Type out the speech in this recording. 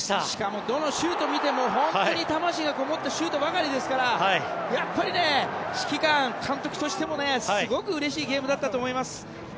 しかもどのシューと見ても本当に魂がこもったシュートばかりですから指揮官、監督としてもすごくうれしいゲームだったと思います。